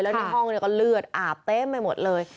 แล้วในห้องก็เลือดอาบเต็มไปหมดเลย